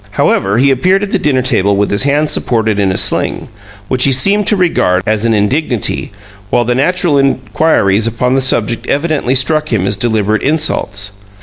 However, he appeared at the dinner table with his hand supported in a sling, which he seemed to regard as an indignity, while the natural inquiries upon the subject evidently struck him as deliberate insults.